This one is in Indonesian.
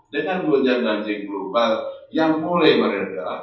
dengan goncang dan jingkupan yang mulai meredah